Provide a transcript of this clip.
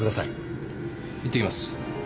行って来ます。